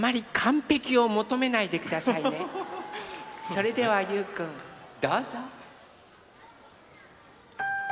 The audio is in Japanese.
それではゆうくんどうぞ。